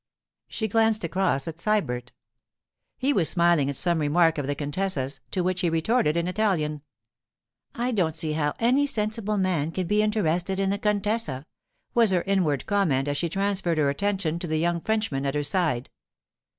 She glanced across at Sybert. He was smiling at some remark of the contessa's, to which he retorted in Italian. 'I don't see how any sensible man can be interested in the contessa!' was her inward comment as she transferred her attention to the young Frenchman at her side.